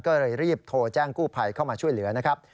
ก็เลยรีบโทรแจ้งกู้ภัยเข้ามาช่วยเหลือนะครับ